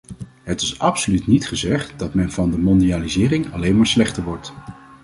Het is absoluut niet gezegd dat men van de mondialisering alleen maar slechter wordt.